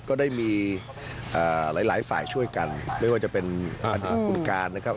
ก็ได้มีหลายหลายฝ่ายช่วยกันไม่ว่าจะเป็นอดีตคุณการนะครับ